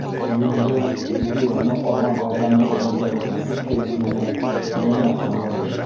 Июндә илде ялмап алған ғауғаның эҙемтәләре бөтөп тә етмәгән, йәнә — боларыш.